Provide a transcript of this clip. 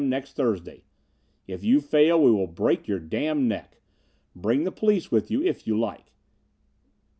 next Thursday. If you fail we will break your damned neck. Bring the police with you if you like.